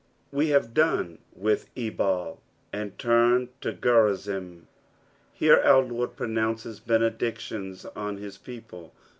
We have done with Bbal and turn to Oerizim. Here our Lord pronounces benedictions on hia people.